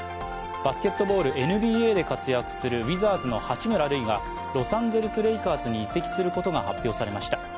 バスケットボールＮＢＡで活躍するウィザーズの八村塁がロサンゼルス・レイカーズに移籍することが発表されました。